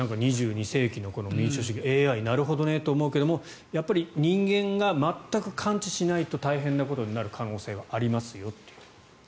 ２２世紀の民主主義ＡＩ、なるほどねと思うけれどやっぱり人間が全く関知しないと大変なことになる可能性はありますよと。